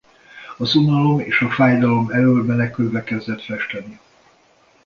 Az unalom és a fájdalom elől menekülve kezdett festeni.